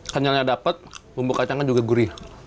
kenyalnya dapat bumbu kacangnya juga gurih